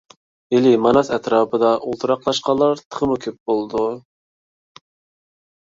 ئىلى، ماناس ئەتراپىدا ئولتۇراقلاشقانلار تېخىمۇ كۆپ بولدى.